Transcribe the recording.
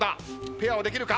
ペアはできるか？